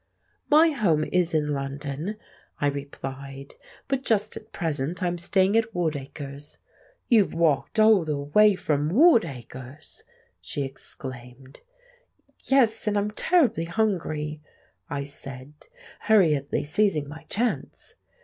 "My home is in London," I replied, "but just at present I'm staying at Woodacres." "You've walked all the way from Woodacres?" she exclaimed. "Yes; and I'm terribly hungry," I said, hurriedly seizing my chance.